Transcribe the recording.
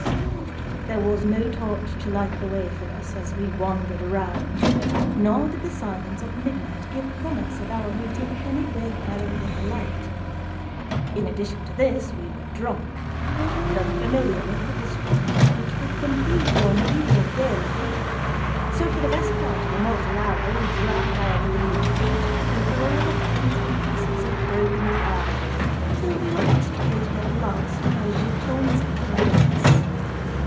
There was no torch to light the way for us, as we wandered around, nor did the silence of midnight give promise of our meeting any wayfarer with a light; in addition to this, we were drunk and unfamiliar with the district, which would confuse one, even in daylight, so for the best part of a mortal hour we dragged our bleeding feet over all the flints and pieces of broken tile, till we were extricated, at last, by Giton's cleverness.